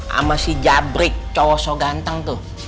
sama si jabrik cowok ganteng tuh